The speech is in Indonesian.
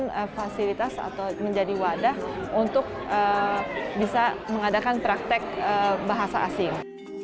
menggunakan fasilitas atau menjadi wadah untuk bisa mengadakan praktek bahasa asing